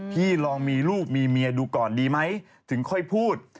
พี่ลองมีลูกมีเมียดูก่อนดีไหมถึงค่อยพูด